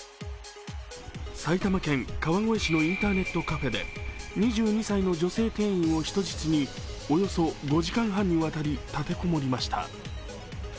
埼玉県川越市のインターネットカフェで２２歳の女性店員を人質におよそ５時間半にわたり立て籠もりました。